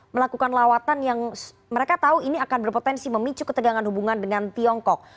melakukan lawatan yang mereka tahu ini akan berpotensi memicu ketegangan hubungan dengan tiongkok